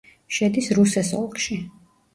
შედის რუსეს ოლქში.